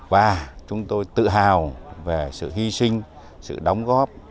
và chúng tôi tự hào về sự hy sinh sự đóng góp